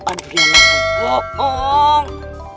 aduh yang itu bohong